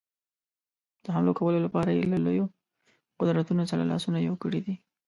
د حملو کولو لپاره یې له لویو قدرتونو سره لاسونه یو کړي دي.